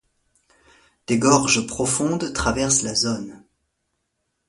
Des gorges profondes traversent la zone.